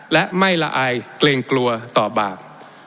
และไม่ละอายเกรงกลัวต่อบาป